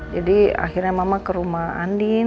jadi akhirnya mama ke rumah andin